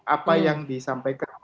apa yang disampaikan